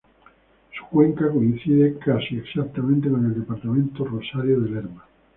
Su cuenca coincide casi exactamente con el departamento Rosario de Lerma.